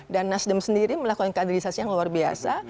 dan nasdem sendiri melakukan keadilisasi yang luar biasa